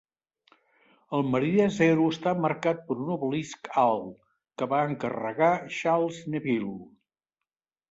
El meridià zero està marcat per un obelisc alt, que va encarregar Charles Neville.